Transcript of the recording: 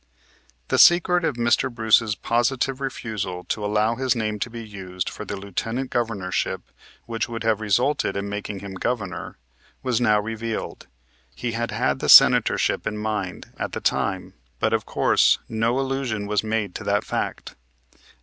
The secret of Mr. Bruce's positive refusal to allow his name to be used for the Lieutenant Governorship, which would have resulted in making him Governor, was now revealed. He had had the Senatorship in mind at the time, but, of course, no allusion was made to that fact.